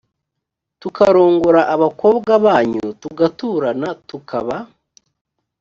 tukarongora abakobwa banyu tugaturana tukaba